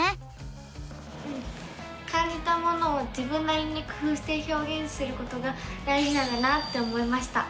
うん感じたものを自分なりに工ふうしてひょうげんすることが大じなんだなって思いました！